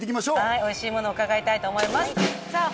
はいおいしいもの伺いたいと思いますさあ